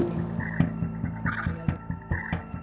gue sekolahan comparativei di